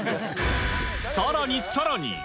さらにさらに。